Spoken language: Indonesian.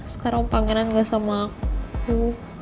sekarang pangeran gak sama aku